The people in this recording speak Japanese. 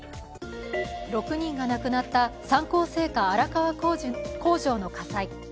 ６人が亡くなった三幸製菓荒川工場の火災。